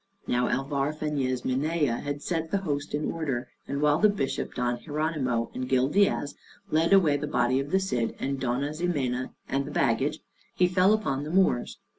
Now Alvar Fañez Minaya had set the host in order, and while the Bishop Don Hieronymo and Gil Diaz led away the body of the Cid, and Dona Ximena, and the baggage, he fell upon the Moors.